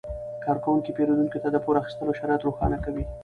کارکوونکي پیرودونکو ته د پور اخیستلو شرایط روښانه کوي.